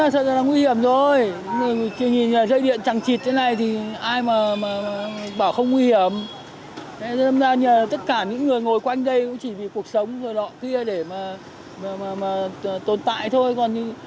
tất cả những người ngồi quanh đây cũng chỉ vì cuộc sống rồi lọ kia để mà tồn tại thôi